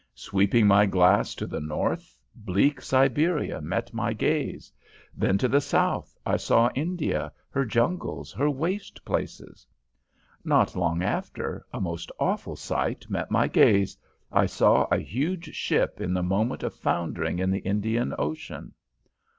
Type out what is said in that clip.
Sweeping my glass to the north, bleak Siberia met my gaze; then to the south I saw India, her jungles, her waste places. Not long after, a most awful sight met my gaze. I saw a huge ship at the moment of foundering in the Indian Ocean.